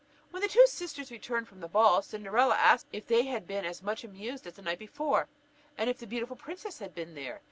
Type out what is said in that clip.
When the two sisters returned from the ball, Cinderella asked them if they had been as much amused as the night before, and if the beautiful princess had been there?